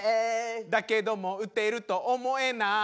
「だけども打てると思えない」